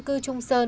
cư trung sơn